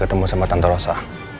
ketemu sama tante rosa